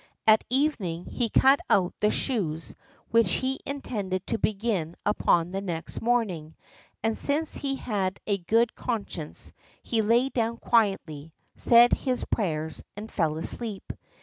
At evening he cut out the shoes which he intended to begin upon the next morning, and since he had a good conscience, he lay down quietly, said his prayers, and fell asleep.